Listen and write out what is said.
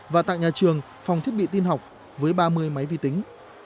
và tặng nhà trường phòng thiết bị tin học với ba mươi máy vi tính